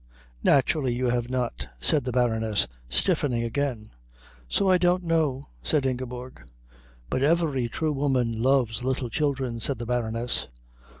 "Naturally you have not," said the Baroness, stiffening again. "So I don't know," said Ingeborg. "But every true woman loves little children," said the Baroness.